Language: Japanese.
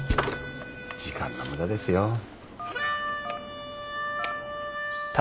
時間の無駄ですよ。